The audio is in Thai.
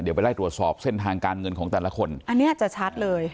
เดี๋ยวไปไล่ตรวจสอบเส้นทางการเงินของแต่ละคนอันนี้จะชัดเลย